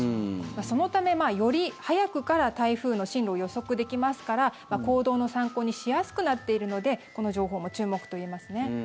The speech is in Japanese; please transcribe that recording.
そのため、より早くから台風の進路を予測できますから行動の参考にしやすくなっているのでこの情報も注目と言えますね。